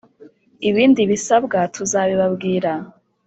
ibindi bisabwa tuzabibabwira